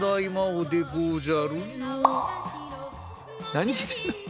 何してんの？